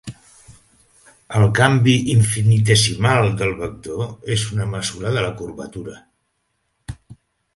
El canvi infinitessimal del vector és una mesura de la curvatura